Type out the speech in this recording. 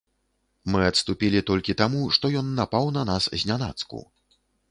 Мы адступілі толькі таму, што ён напаў на нас знянацку.